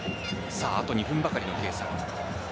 あと２分ばかりの計算。